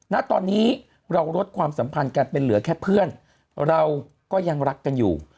ณตอนนี้เราลดความสัมพันธ์กันเป็นเหลือแค่เพื่อนเราก็ยังรักกันอยู่